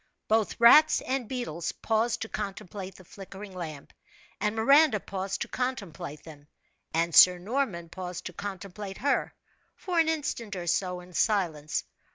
Both rats and beetles paused to contemplate the flickering lamp, and Miranda paused to contemplate them, and Sir Norman paused to contemplate her, for an instant or so in silence.